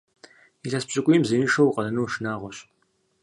Илъэс пщыкӀуийм зеиншэу укъэнэну шынагъуэщ.